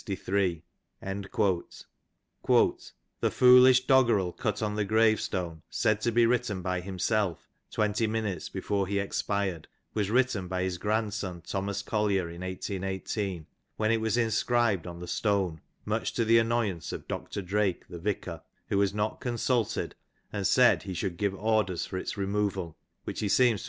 '' "The fool " ish doggerel cut on the gravestone, said to bo written by himself " twenty minutes before he expired, was written by his grandson " Thomas Collier in 1818, when it was inscribed on the stone, " much to the annoyance of Dr. Drake the vicar, who was not con " suited, and said he should give orders for its removal, which he " seems to have omitted doing.''